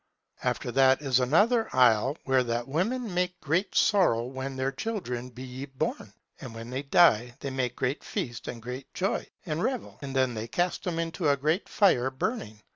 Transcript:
After that is another isle where that women make great sorrow when their children be y born. And when they die, they make great feast and great joy and revel, and then they cast them into a great fire burning.